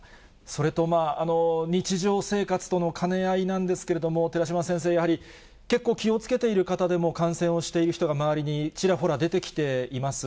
それと日常生活との兼ね合いなんですけれども、寺嶋先生、やはり結構、気をつけている方でも感染をしている人が、周りにちらほら出てきています。